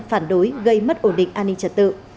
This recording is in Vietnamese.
phản đối gây mất ổn định an ninh trật tự